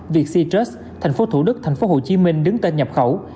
vietcitrus tp thủ đức tp hcm đứng tên nhập khẩu